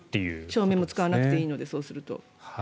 照明も使わなくていいのでそうすると。